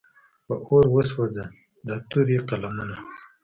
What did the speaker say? په اور وسوځه دا تورې قلمونه.